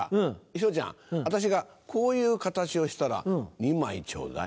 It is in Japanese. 昇ちゃん私がこういう形をしたら２枚ちょうだい。